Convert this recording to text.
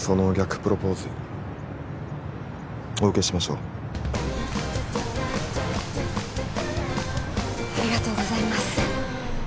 プロポーズお受けしましょうありがとうございます